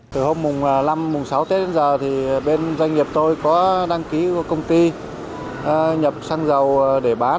từ hôm mùng sáu tết đến giờ thì bên doanh nghiệp tôi có đăng ký công ty nhập xăng dầu để bán